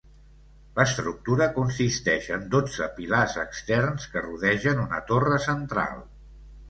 L'estructura consisteix en dotze pilars externs que rodegen una torre central.